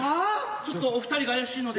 ちょっとお二人が怪しいので。